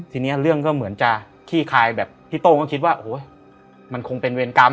ทีนี้เรื่องก็เหมือนจะขี้คายแบบพี่โต้ก็คิดว่าโอ้โหมันคงเป็นเวรกรรม